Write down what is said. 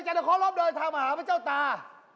จันทร์โครงรอบเดินทางมาหาพระเจ้าตา